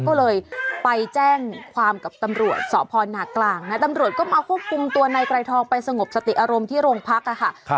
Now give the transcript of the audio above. ก็เลยไปแจ้งความกับตำรวจสพนากลางนะตำรวจก็มาควบคุมตัวนายไกรทองไปสงบสติอารมณ์ที่โรงพักค่ะ